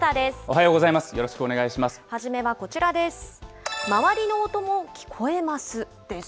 はじめはこちらです。